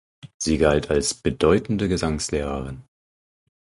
Sie galt als „bedeutende Gesangslehrerin“.